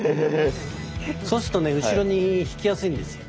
そうするとね後ろに引きやすいんですよ。